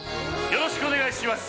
よろしくお願いします。